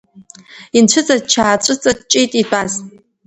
Инцәыҵачча-аацәыҵаччеит итәаз.